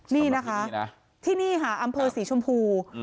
นี่นะคะที่นี่ค่ะอำเภอศรีชมพู